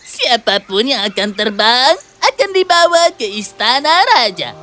siapapun yang akan terbang akan dibawa ke istana raja